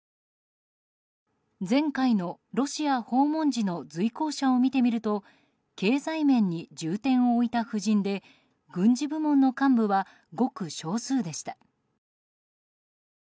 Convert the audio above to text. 前回のロシア訪問時の随行者を見てみると経済面に重点を置いた布陣で軍事部門の幹部はごく少数でした。